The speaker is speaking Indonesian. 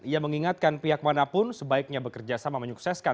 ia mengingatkan pihak manapun sebaiknya bekerja sama menyukseskan